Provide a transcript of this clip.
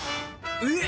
えっ！